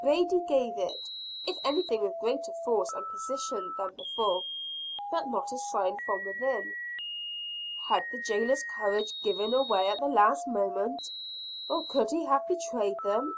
Brady gave it if anything with greater force and precision than before. But not a sign from within. Had the jailer's courage given away at the last moment? Or could he have betrayed them?